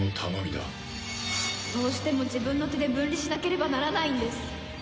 どうしても自分の手で分離しなければならないんです。